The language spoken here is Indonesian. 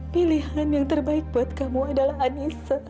pilihan yang terbaik buat kamu adalah anissa